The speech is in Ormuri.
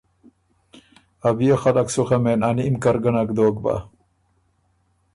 ا بيې خلق سُو خه مېن ا نیم کر ګۀ نک دوک بۀ